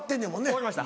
終わりました